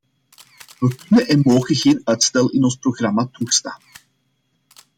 We kunnen en mogen geen uitstel in ons programma toestaan.